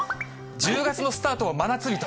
１０月のスタートは真夏日と。